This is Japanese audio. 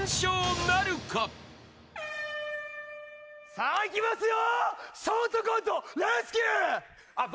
さあいきますよ。